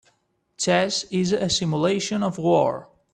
Chess is a simulation of war.